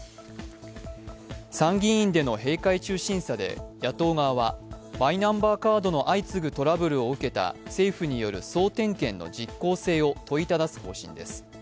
参議院での閉会中審査で野党側はマイナンバーカードの相次ぐトラブルを受けた政府による総点検の実効性を問いただす方針です。